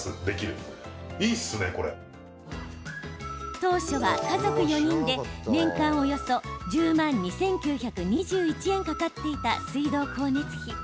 当初は家族４人で、年間およそ１０万２９２１円かかっていた水道光熱費。